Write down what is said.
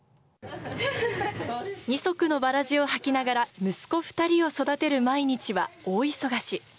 二足のわらじを履きながら、息子２人を育てる毎日は大忙し。